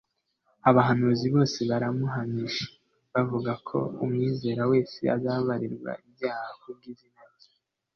"abahanuzi bose baramuhamije bavuga ko umwizera wese azababarirwa ibyaha ku bw'izina rye".